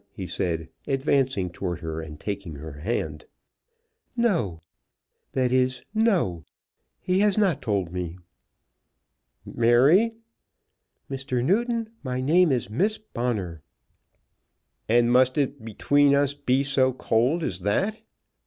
he said, advancing towards her, and taking her hand. "No; that is; no. He has not told me." "Mary " "Mr. Newton, my name is Miss Bonner." "And must it between us be so cold as that?"